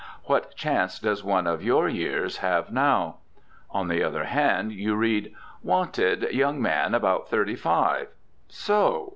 What chance does one of your years have now? On the other hand, you read: "Wanted, young man, about thirty five." So!